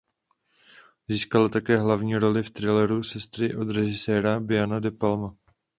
Získala také hlavní roli v thrilleru "Sestry" od režiséra Briana De Palma.